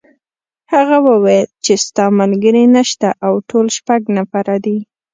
هغه وویل چې ستا ملګري نشته او ټول شپږ نفره دي.